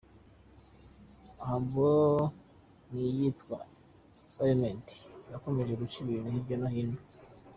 A’, ’Humble’ n’iyitwa ’Element’ zikomeje guca ibintu hirya no hino.